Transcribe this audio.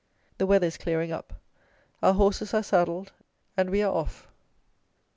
The weather is clearing up; our horses are saddled, and we are off.